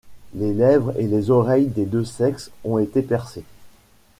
Les lèvres et les oreilles des deux sexes ont été percés.